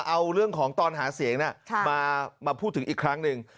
เอาเรื่องของตอนหาเสียงมาพูดถึงอีกครั้งหนึ่ง